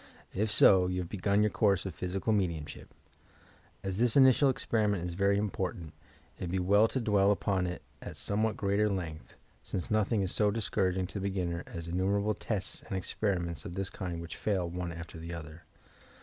If eo, you have begun your course of physical raediumship! As this initial experi ment is very important, it would be well to dwell upon it at somewhat greater length, since nothing is so dis couraging to the beginner as innumerable tests and experiments of this kind which fail one after the other.